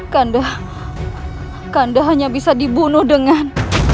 kanda kanda hanya bisa dibunuh dengan